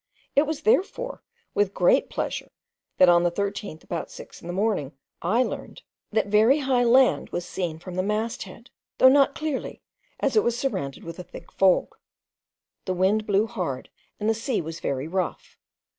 It was therefore with great pleasure, that on the 13th, about six in the morning, I learned that very high land was seen from the mast head, though not clearly, as it was surrounded with a thick fog. The wind blew hard, and the sea was very rough.